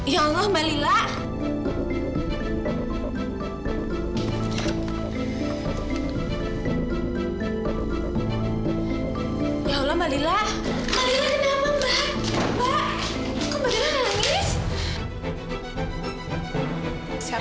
ya allah mbak lila